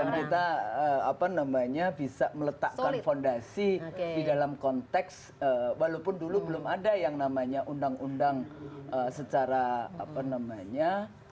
dan kita bisa meletakkan fondasi di dalam konteks walaupun dulu belum ada yang namanya undang undang secara apa namanya